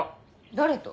誰と？